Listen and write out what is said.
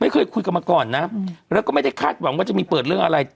ไม่เคยคุยกันมาก่อนนะแล้วก็ไม่ได้คาดหวังว่าจะมีเปิดเรื่องอะไร